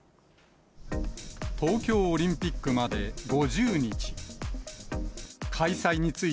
東京オリンピックまで５０日。